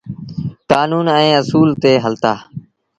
ڪآنون ائيٚݩ اسول تي هلتآ۔